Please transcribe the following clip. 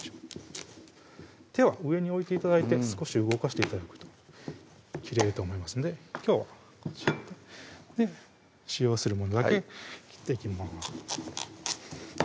手は上に置いて頂いて少し動かして頂くと切れると思いますのできょうはこちらで使用するものだけ切っていきます